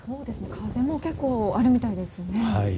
風も結構あるみたいですね。